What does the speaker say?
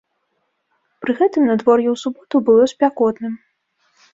Пры гэтым надвор'е ў суботу было спякотным.